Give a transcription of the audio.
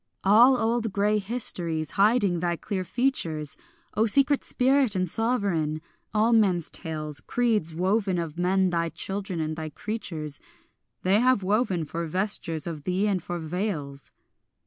All old grey histories hiding thy clear features, O secret spirit and sovereign, all men's tales, Creeds woven of men thy children and thy creatures, They have woven for vestures of thee and for veils.